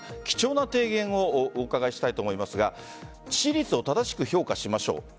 貴重な提言をお伺いしたいと思いますが致死率を正しく評価しましょう。